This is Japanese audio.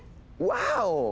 ワオ！